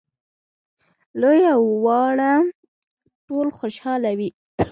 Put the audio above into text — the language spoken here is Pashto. لوی او واړه ټول خوشاله وي.